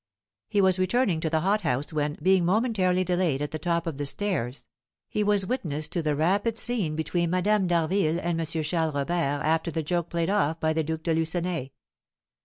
He was returning to the hothouse when, being momentarily delayed at the top of the stairs, he was witness to the rapid scene between Madame d'Harville and M. Charles Robert after the joke played off by the Duke de Lucenay.